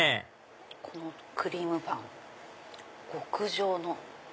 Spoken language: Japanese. このクリームパン極上の。